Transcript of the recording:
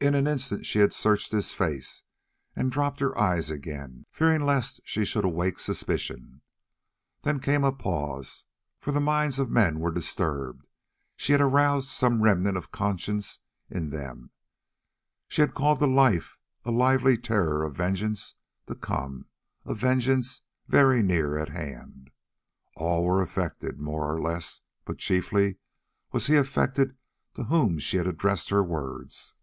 In an instant she had searched his face and dropped her eyes again, fearing lest she should awake suspicion. Then came a pause, for the minds of men were disturbed; she had aroused some remnant of conscience in them, she had called to life a lively terror of vengeance to come, of vengeance very near at hand. All were affected more or less, but chiefly was he affected to whom she had addressed her words.